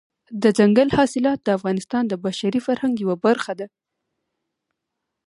دځنګل حاصلات د افغانستان د بشري فرهنګ یوه برخه ده.